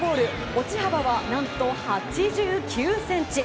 落ち幅は、何と８９ｃｍ。